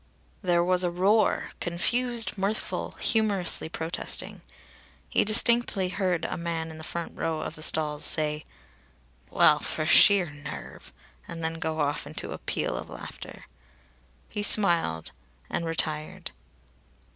There was a roar, confused, mirthful, humorously protesting. He distinctly heard a man in the front row of the stalls say: "Well, for sheer nerve !" And then go off into a peal of laughter. He smiled and retired.